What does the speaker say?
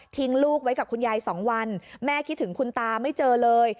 ลูกไว้กับคุณยาย๒วันแม่คิดถึงคุณตาไม่เจอเลย